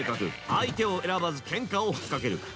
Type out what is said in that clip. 相手を選ばずけんかを吹っかける。